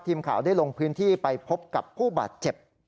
ทีมข่าวได้ลงพื้นที่ไปพบกับผู้บาดเจ็บ